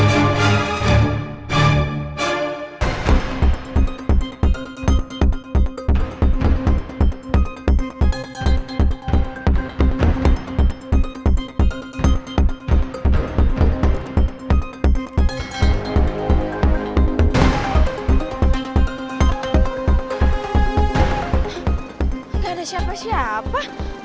gak ada siapa siapa